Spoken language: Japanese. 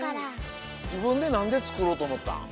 じぶんでなんでつくろうとおもったん？